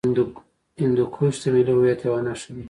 هندوکش د ملي هویت یوه نښه ده.